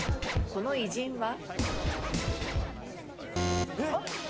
この偉人は？